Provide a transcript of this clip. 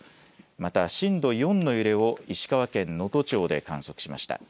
また震度４の揺れを石川県能登町で観測しました。